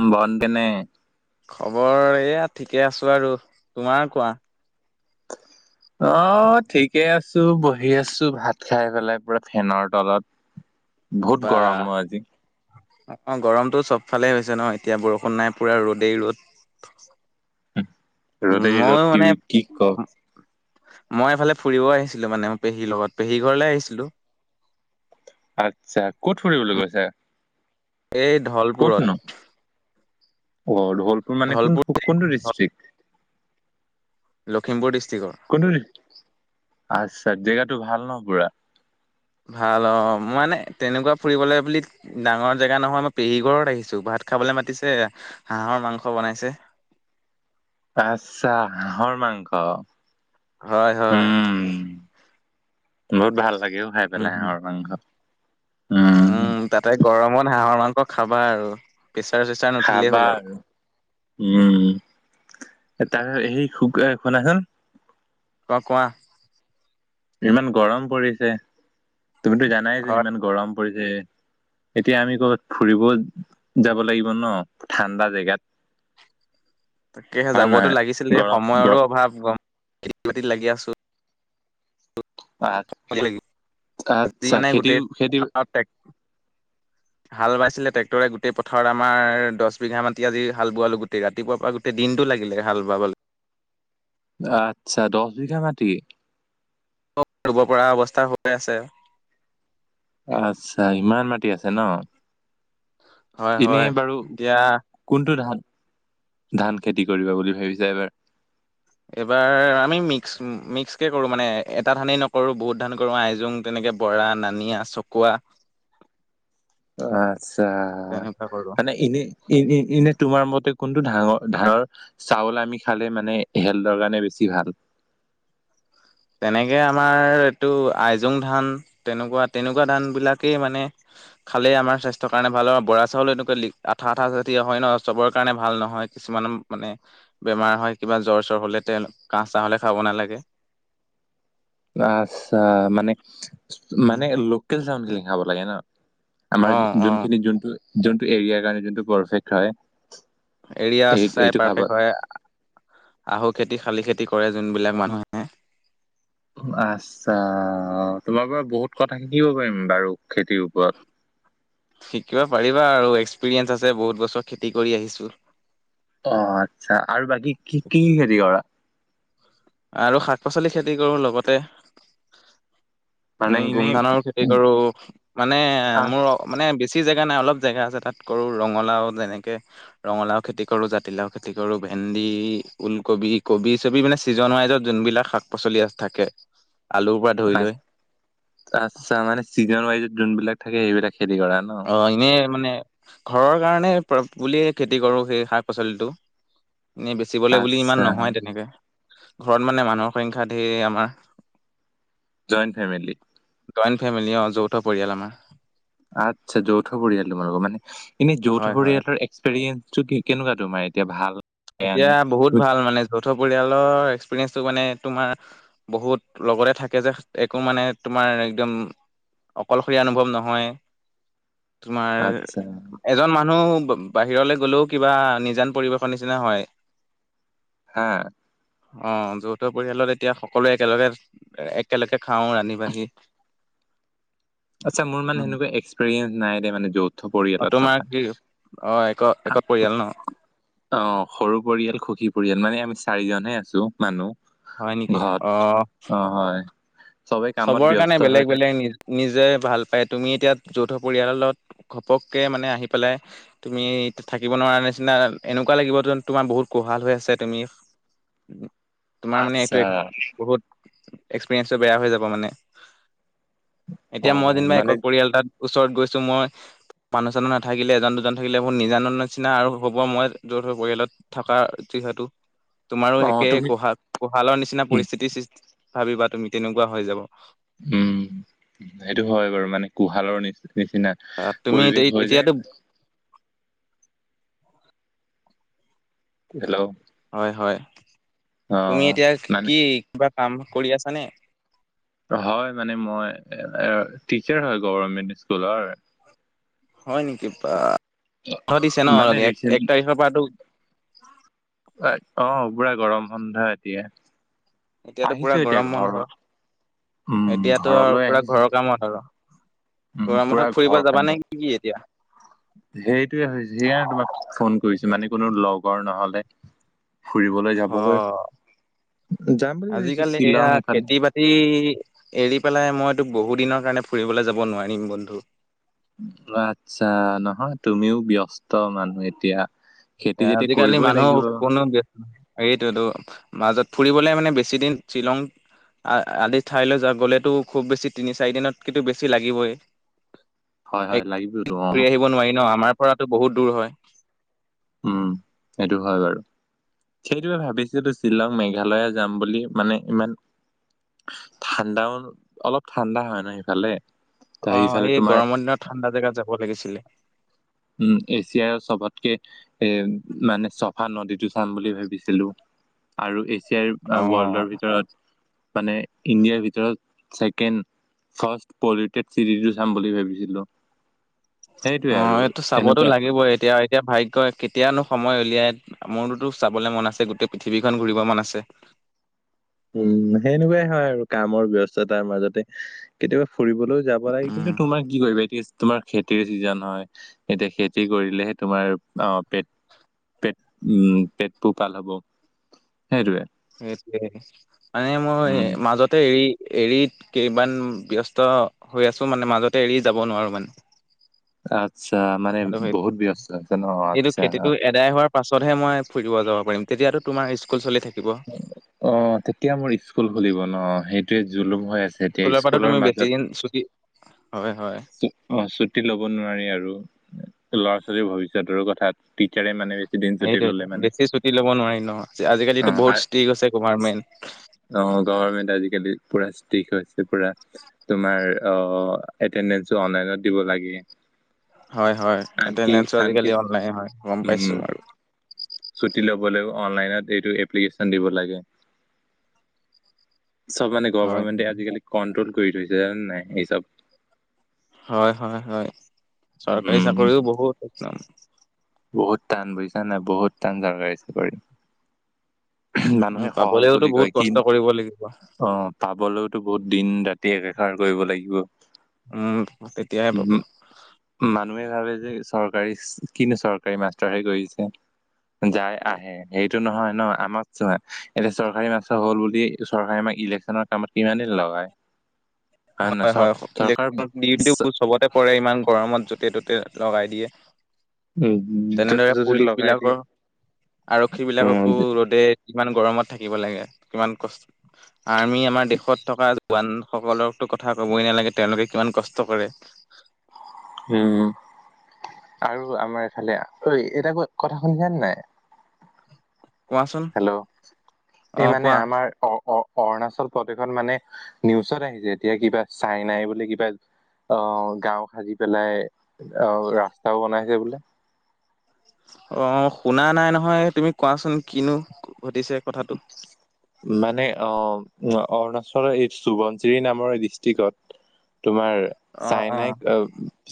উ ব তেনে খবৰ এয়া ঠিকে আছো আৰু তোমাৰ কোৱা? অহ, ঠিকে আছো বহি আছো ভাত খাই পেলাই পুৰা ফেনৰ তলত [inaudible] বহুত গৰম ম' আজি? অহ, গৰমটো চব ফালে হৈছে ন' এতিয়া বৰষুণ নাই পুৰা ৰ'দেই ৰ'দ। উম, ৰ'দেই মই ৰ'দ কি মানে কি ক মই এফালে ফুৰিব আহিছিলোঁ মানে পেহীৰ লগত পেহী ঘৰলে আহিছিলোঁ। আচ্ছা ক'ত ফুৰিবলৈ গৈছা? এই ধলপুৰত। অহ, ধলপুৰ মানে কোন- কোনটো ডিষ্ট্ৰিক? লখিমপুৰ দিষ্ট [unintelligible] আচ্ছা জেগাটো ভাল ন' পুৰা? ভাল অ মই মানে তেনেকুৱা ফুৰিবলে বুলি ডাঙৰ জেগা নহয় মই পেহীগৰত আহিছো ভা খাবলৈ মাতিছে হাঁহৰ মাংস বনাইছে আচছা হাঁহৰ মাংস হয় হয় উম বহুত ভাল লাগেও খাই উম পেলাই হাঁহৰ মাংস উম তাতে গৰমত হাঁহৰ মাংস খাবা আৰু প্ৰেছাৰ চেচাৰ নুঠিলেই খাবা হ'ল আৰু উম তাৰ স শ শুনাচোন কোৱা কোৱা ইমান গৰম পৰিছে তুমিতো হয় জানাইচোন ইমান গৰম পৰিছে এতিয়া আমি ক'বাত ফুৰিব যাব লাগিব ন ঠাণ্ডা জেগাত [inaudible] তাকেহে হয় যাবতো নহয় লাগিছিল গৰম গ সময়ৰো অভাৱ গমতি বাতিত লাগি আছো আচ্ছা মানে গোট খেতিও খেতি হাল বাইছিলেট্ৰে্টৰে গোটেই পথাৰত আমাৰ দহ বিঘা মাটি আজি হাল বোৱালো গোটেই ৰাতিপুৱা পৰা গো দিনটো লাগিলে হাল বাব আচ্ছা দহ বিঘা মাটি ৰুব পৰা অৱস্থা হৈ আছে আচ্ছা ইমান মাটি আছে ন হয় হয়। এনেই বাৰু এতিয়া কোনটো ধান ধান খেতি কৰিবা বুলি ভাবিছো এবাৰ এইবাৰ আমি মিক্স মিক্স কে কৰো মানে এটা ধানেই নকৰো বহুত ধান কৰো আইজোং তেনেকে এনেকে বৰা নানিয়া চকুৱা আচ্ছা তেনেকুৱা কৰো। মানে ইনে এনে তোমাৰ মতে কোনটো ধাঙৰ ধানৰ চাউল আমি খালে মানে হেল্থৰ কাৰণে বেছি বিহাল [unintelligible] [unintelligible] তেনেকে আমাৰ এইটো আইজোং ধান তেনেকুৱা তেনেকুৱা ধান বিলাকেই মানে খালেই আমাৰ স্বাস্থ্যৰ কাৰণে ভাল হয় আৰু বৰা চাউল এনেকুৱা লি আঠা আঠা হয় ন চবৰ কাৰণে ভাল নহয় কিছুমান মানে বেমাৰ হয় কিবা জ্বৰ চৰ হলে তেওঁ কাহ চাহ হলে খাব নালাগে অ আচ্ছা মানে মানে লোকেল চাউলখিনি খাব লাগে ন আমাৰ অ অ যোনখিনি যোনটো যোনটো এৰিয়াৰ কাৰণে যোনটো পাৰফেক্ট হয় এৰিয়া সেই চাই সেইটো খাব পাৰফেক্ট হয় আহক খেতি শালি খেতি কৰে যোনবিলাক মানুহে আচ্ছা অ তোমাৰ পৰা বহুত কথা শিকিব পাৰিম বাৰু খেতিৰ ওপৰত এনেকুৱাই এক্সপিৰিয়েঞ্চ আছে বহুত বছৰ খেতি কৰি আহিছো অ আচ্ছা আৰু বাকী কি কি কি খেতি কৰা আৰু শাক পাচলি খেতি কৰো লগতে মানে উম এনে গোমধানৰো খেতি কৰো মানে মোৰ মানে বেছি জেগা নাই অলপ জেগা আছে তাত কৰো ৰঙালাও যেনেকে ৰঙালাও খেতি কৰো জাতি লাও খেতি কৰো ভেন্দি ভেন্দি ওলকবি কবি চবি মানে ছিজন যোনবিলাক শাক পাচলি থাকে আলুৰ পৰা ধৰি লৈ আচ্ছা মানে চিজন ৱাইজত যোনবিলাক থাকে সেইবিলাক খেতি কৰা ন অ এনে মানে ঘৰৰ কাৰণে পা বুলিয়ে খেতি কৰো সেই শাক পাচলিটো এনেই বেচিবলে বুলি ইমান আচ্ছা নহয় তেনেকে ঘৰত মানে মানুহৰ সংখ্যা ধেৰ আমাৰ জইণ্ট ফেমেলি জইণ্ট ফেমিলি অ যৌথ পৰিয়াল আমাৰ আচ্ছা যৌথ পৰিয়াল তোমালোকৰ মানে এনে যৌথ হয়, হয়। পৰিয়ালৰ এক্সপেৰিয়েঞ্চ চ কি কেনেকুৱা তোমাৰ এতিয়া ভাল বেয়া এতিয়া নে বহুত ভাল মানে যৌথ পৰিয়ালৰ। এক্সপেৰিয়েঞ্চ তো মানে তোমাৰ বহুত লগতে থাকে যে একো মানে তোমাৰ একদম- অকলশৰীয়া অনুভৱ নহয়। তোমাৰ আচ্ছা এজন মানুহ বাহিৰলৈ গলেও কিবা নিজান পৰিবেশন- নিচিনা হয়। হা অ যৌথ পৰিয়ালত এতিয়া সকলোৱে একেলগে একেলগে খাওঁ ৰান্ধি বাঢ়ি [unintelligible] আচ্ছা মোৰ মানে সেনেকুৱা এক্সপেৰিয়েঞ্চ নাই দে মানে একো- যৌথ অ পৰিয়ালত তোমাৰ থকা। কি অ এক একত পৰিয়াল ন অ সৰু পৰিয়াল সুখী পৰিয়াল মানে আমি চাৰিজনহে আছো হয় নেকি মানুহ অ ঘৰত অ হয় চবে কামত চবৰ কাৰণে ব্যস্ত হৈ বেলেগ থাকে বেলেগ নিজ নিজে ভাল পায় তুমি এতিয়া যৌথ পৰিয়ালৰ লগত ঘপককে মানে আহি পেলাই তুমি থাকিব নোৱাৰা নিচিনা এনেকুৱা লাগিব তো তোমাৰ বহুত কোহাল হৈ আছে তুমি তোমাৰ মানে এইটো আচ্ছা বহুত এক্সপিৰিয়েঞ্চটো বেয়া হৈ যাব মানে অ এতিয়া মই যেনিবা মানে একক পৰিয়াল ওচৰত গৈছো মই মানুহ চানুহ নাথাকিলে এজন দুজন থাকিলে বহুত নিজান জান নিচিনা আৰু হ'ব মই যৌথ পৰিয়ালত থকা [unintelligible] তোমাৰো অ একে তুমি কোহা কোহালৰ নিচিনা উম পৰিস্থিতি সৃষ্টি ভাবিবা তুমি তেনেকুৱা হৈ যাব উম সেইটো হয় বাৰু মানে কুঁহালৰ নিচিনা নিচিনা আহ তুমি পৰিৱেশ এতি- হৈ এতিয়াতো যায়। [inaudible] হেল্ল' হয় হয় তুমি এতিয়া মানে কি কিবা কাম কৰি আছানে হয় মানে মই টিচাৰ হয় গভমেণ্ট স্কুলৰ হয় নেকি বা দিছে ন মানে এক ৰিচেন্ট এক তাৰিখৰ পৰাতো অ পুৰা গৰম বন্ধ এতিয়া এতিয়াতো পুৰা আহিছো এতিয়া গৰম বন্ধ। ঘৰ উম এতিয়াতো আৰু ঘৰলৈ পুৰা ঘৰৰ আহিছো। কামত আৰু উম, গৰম পুৰা বন্ধত ফুৰিব ঘৰ কাম যাবা কৰ। নেকি কি এতিয়া। সেইটোয়ে হৈছে সেইকাৰণে তোমাক ফোন কৰিছো মানে কোনো লগৰ নহলে ফুৰিবলৈ যাবলৈ অ যাম বুলি ভাবিছো আজিকালি শ্বিলং এয়া এইফালে। খেতি বাতি এৰি পেলাই মই বহু দিনৰ কাৰণে ফুৰিবলৈ যাব নোৱাৰিম বন্ধু। আচ্ছা নহয় তুমিও ব্যস্ত মানুহ এতিয়া খেতি এ যেতিয়া আজিকালি কৰিবই মানুহ লাগিব। কোনো ব ন হেৰিটো টো মাজত ফুৰিবলৈ মানে বেছিদিন শ্বিলং আ আদি ঠাইলৈ যোৱা গ'লেতো খুব বেছি তিনি চাৰি দিনত কিন্তু বেছি লাগিবই হয় হয় লাগিবতো অ', ঘুৰি আহিব নোৱাৰি ন আমাৰ পৰাতো বহুত দূৰ হয়। উম। সেইটো হয় বাৰু সেইটো ভাবিছিলোো শ্বিলং মেঘালয় যাম বুলি মানে ইমান। ঠাণ্ডাও অলপ ঠাণ্ডা হয় ন সিফালে অ এই গৰমৰ দিনত ঠাণ্ডা জেগাত যাব লাগিছিলে। উম এছিয়াৰ চবতকে এ মানে চফা নদীটো চাম বুলি ভাবিছিলো। আৰু এছিয়াৰ অ ৱৰ্ল্ডৰ ভিতৰত মানে ইণ্ডিয়াৰ ভিতৰত ছেকেণ্ড ফাৰ্ষ্ট পলটেড চিটটো চাম বুলি ভাবিছিলো সেইটোৱে অ আৰু এইটো চাবতো এনেকুৱা লাগিবই এতিয়া এতিয়া। ভাগ্যই কেতিয়ানো সময় উলিয়াই মোৰোতো চাবলৈ মন আছে গোটেই পৃথিৱীখন ঘূৰিব মন আছে। [inaudible] উম সেনেকুৱাই হয় আৰু কামৰ ব্যয়স্ততাৰ মাজতে কেতিয়াবা ফুৰিবলৈও যাব লাগে উম কিন্তু তোমাৰ কি কৰিবা এতিয়া তোমাৰ খেতিৰ চিজন হয় এতিয়া খেতি কৰিলেহে তোমাৰ অ পেট পেট উম পেট পোহপাল হব সেইটোৱে সেইটোয়ে মানে মই উম মাজতে এৰি এৰিত কেইবমান ব্যস্ত হৈ আছো মানে মাজতে এৰি যাব নোৱাৰোঁ মানে, আচ্ছা মানে কথাটো সেইটো বহুত ব্যস্ত আছে ন এইটো আচ্ছা অ খেতিতটো এদায় হোৱাৰ পাছতহে মই ফুৰিব যাব পাৰিম তেতিয়াতো তোমাৰ স্কুল চি থাকে অ তেতিয়া মোৰ স্কুল খুলিব ন সেই জুলুম হৈ আছে এতিয়া পৰাতো স্কুলৰ তুমি বেছি দিন ছুটি মাজত হয় হয় অ ছুটি লব নোৱাৰি আৰু ল'ৰা ছোৱালীৰ ভৱিষ্যতৰ কথা তৎ তিচাৰে মানে দিন ছুটি সেইটোয়েইটো ললে মানে বেছি ছুটি ল'ব নোৱাৰি ন অ আজিকালিতো বহুত আ- ষ্ট্ৰিক আছে গভাৰমেণ্ট অ গভমেণ্ট আজিকালি পুৰা ষ্ট্ৰিক হৈছে পুৰা তোমাৰ আহ এটেডেঞ্চো অনলাইনত দিব লাগে। হয় হয় ইয়াতে আনকি নেত ছ আনকি আজিকালি অনলাই হয় গম পাইছো। ছুট লবলৈ অনলাইনত এইটো এপ্লিকেশন দিব লাগে। চব মানে হয় গভমেণ্টে আজিকালি কণ্ট্ৰল কৰি থৈছে নাই এই চব হয় হয় হয় চৰকাৰী উম চাকৰিও বহুত একম বহুত টান বুজছ নাই, বহুত টান চৰকাৰী চাকৰিত। উম মানুহে সহজ পাবলেওতো বুলি বহুত কয় কি কষ্ট কৰিব লাগিব অ পাবলৈওতো বহুত দিন ৰাতি টিকেকাৰ কৰিব লাগিব। উম তেতিয়াহে উ পাব মানুহে ভাবে যে চৰকাৰী কিনো চৰকাৰী মাষ্টৰ হে কৰিছে যাই আহে সেইটো নহয় ন আমাক চোৱা এতিয়া চৰকাৰী মাষ্টৰ হ'ল বুলি চৰকাৰে আমাক ইলেকশচনৰ কামত কিমান দিন লগাই হয় নে নহয় চৰ হয়-হয় চৰকাৰ ইলে্কচন ডিউটিও চবতে পৰে ইমান গৰমত যতে ততে লগাই দিয়ে। উম, য'তে তেনেদৰে ত'তে লগাই দিয়ে পুলিচবিলাকৰ আৰক্ষী উম, বিলাককো ৰদে কিমান গৰমত থাকিব লাগে কিমান কষ্ট আৰ্মি আমাৰ দেশত থকা জোৱানসকলক কথা ক'বই নালাগে তেওঁলোকে কিমান কষ্ট কৰে। উম আৰু আমাৰ এইফালে অ এইকেইটা ক'ত কথা শুনিছে নে নাই কোৱাচোন হেল্ল' [inaudible] এই অ মানে কোৱা আমাৰ অ [unintelligible] অ অৰুণাচল প্ৰদেশত মানে নিউজত আহিছে এতিয়া কিবা চাইনাই বুলি কিবা [unintelligible] আহ গাঁও সাজি পেলাই আহ ৰাস্তাও বনাইছে বোলে। [unintelligible] অ শুনা নাই নহয় তুমি কোৱাচোন কিনো। [unintelligible] কথাটো [unintelligible] মানে অ [inaudible] অৰুণাচলৰ এই সুভনজিৰি নামৰ ডিষ্ট্ৰিক্ত [unintelligible] তোমাৰ অ অ চাইনাই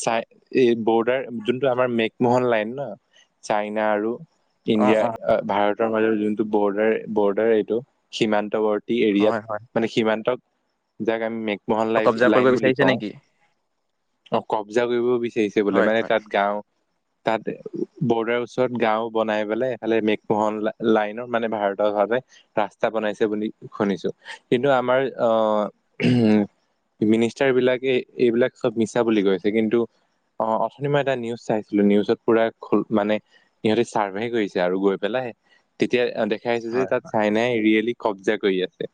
চাই [unintelligible] এই বৰ্ডাৰ যোনটো আমাৰ মেকমোহন লাইন ন চাইনা আৰু [unintelligible] অ ইণ্ডিয়া অ ভাৰতৰ মাজৰ যোনটো বৰ্ডাৰ বৰ্ডাৰ এইটো সীমান্তবৰ্তী। এৰিয়াত হয় হয় মানে সীমান্তত যাক আমি - মহান লাইফ কব্জা কৰিব লাইন বুলি বিচাৰিছে কওঁ। নেকি অ কব্জা কৰিব বিচাৰিছে বোলে হয় মানে হয় তাত গাওঁ। তাত বৰ্ডাৰ ওচৰত গাওঁ বনাই পেলাইফালে মেঘমোহন লাইনৰ মানে ভাৰত - ভাৱে ৰাস্তা বনাইছে বুলি শুনিছো কিন্তু আমাৰ আহ উম - মিনিষ্টাৰবিলাকে এইবিলাক চব মিছা বুলি কৈছে কিন্তু অ অথনি মই এটা নিউজ চাইছিলো নিউজত পুৰা মানে সিহঁ চাৰ্ভে কৰিছে আৰু গৈ পেলাইে তেতিয়া এ দেখাইছে হয় যে তাত চাইনাই ৰিয়েলি কব্জা কৰি আছে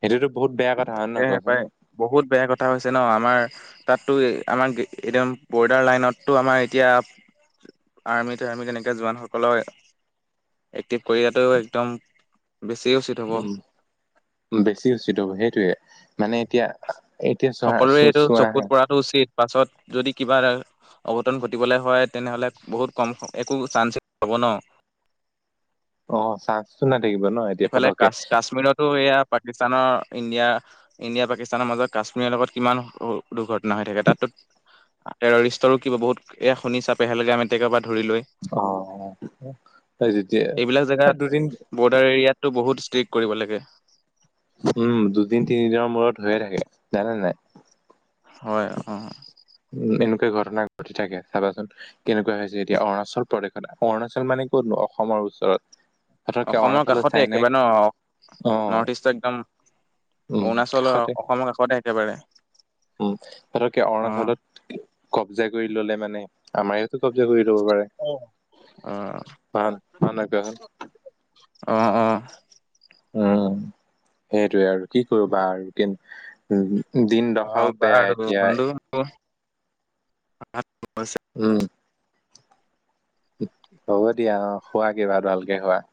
সেইটোতো - তাকেহে পায় বহুত বেয়া কথা হৈছে ন আমাৰ তাত - আমাৰ এদ বৰ্ডাৰ লাইনতো আমাৰ এতিয়া। আৰ্মি আৰ্মি তেনেকৈ জোৱানসকলক এক্টিভ কৰি দিয়াতটোও একদম বেছিয়ে উচিত হ'ব। উম বেছি হৈছে সেইটোৱেই মানে এতিয়া এতিয়া চোৱা সকলোৰে চ এইটো চোৱা হা চকুত পৰাটো উচিত পাছত যদি কিবা অঘটন ঘটিবলৈ হয় তেনেহ'লে বহুত কম একো চান্সে হ'ব ন অ চাওকচোন আ- ইফালে কা কাশ্মীৰতো, এয়া পাকিস্তানৰ ইণ্ডিয়া-ইণ্ডিয়া পাকিস্তানৰ মাজত কাশ্মীৰৰ লগত কিমান দুৰ্ঘটনা হৈ থাকে। তাতো টৰৰিষ্টৰো কিব বহুত এ শুনি চােহে লগে আমি তে - অ, যেতিয়া দুদিন টো বহুত ষ্ট্ৰিক কৰিব লাগে। উম দুদিন -তিনিদিনৰ মূৰত হৈয়ে থাকে জানা নে নাই? হয় অ। উম এনেকুৱা ঘটনা ঘটি থাকে চাবাচোন কেনেকুৱা হৈছে এতিয়া অৰুণাচল প্ৰদেশত, অৰুণাচল মানে ক'ত নো অসমৰ ওচৰত। পতককে অসমৰ অৰুণাচলত কাষতে চাইনাই একেবাৰে ন, অ নৰ্থ ইষ্ট একদম উম অৰুণাচলৰ কাষতে অসমৰ কাষতে একেবাৰে। উম, সিহঁতে অ অৰুণাচলত কব্জা কৰি ললে মানে আমাৰ ইয়াত কব্জা কৰি লব পাৰে। অ ভান ভানেকা হল। অঁ-অঁ। উম, সেইটোৱেই আৰু কি কৰিবা আৰু কিন্ত উম দিন অ দখাও বেয়া বাৰু এতিয়া। বন্ধু বছ উম, হ'ব দিয়া অ খোৱা কিবা ভালকে খোৱা।